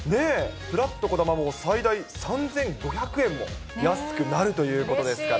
ぷらっとこだまも最大３５００円も安くなるということですから。